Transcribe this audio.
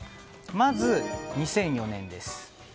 まず２００４年です。